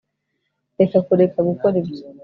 reka kureka gukora ibyo